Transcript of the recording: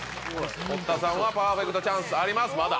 堀田さんはパーフェクトチャンスありますまだ。